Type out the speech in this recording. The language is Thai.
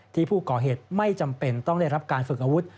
ที่ผู้ก่อเหตุไม่จำเป็นต้องได้รับการฝึกอาวุธ